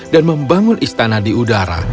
dan membangun istana di udara